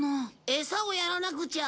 エサをやらなくちゃ。